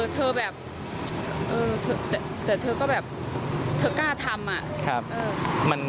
แต่เธอก็แบบเธอกล้าทำ